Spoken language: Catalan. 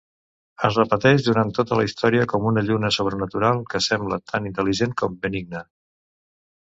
Es repeteix durant tota la història com una lluna sobrenatural que sembla tant intel·ligent com benigne.